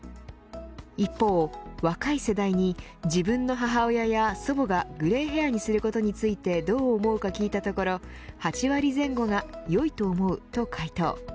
一方、若い世代に自分の母親や祖母がグレイヘアにすることについてどう思うか聞いたところ８割前後が、よいと思うと回答。